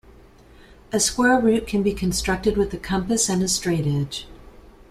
A square root can be constructed with a compass and straightedge.